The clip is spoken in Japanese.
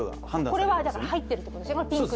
これは入っているということですよね。